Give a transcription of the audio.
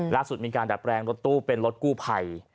ล่าสุดมีการดัดแปลงรถตู้เป็นรถกู้ภัย